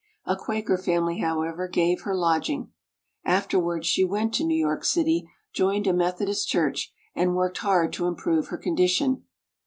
A Quaker family, however, gave her lodging. Afterwards she went to New York City, joined a Methodist church, and worked hard to improve her condition.